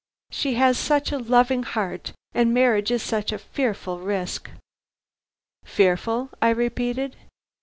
She has such a loving heart, and marriage is such a fearful risk." "Fearful?" I repeated.